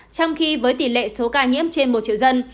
trong khi với tỷ lệ số ca nhiễm trên một triệu dân